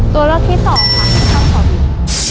ตัวเลือกที่สองถ้ำเขาบิน